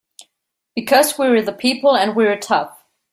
Because we're the people and we're tough!